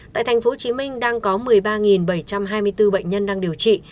tại tp hcm đang có một mươi ba bảy trăm hai mươi bốn bệnh nhân đang điều trị